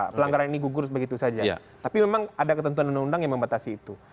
pelanggaran ini gugur begitu saja tapi memang ada ketentuan undang undang yang membatasi itu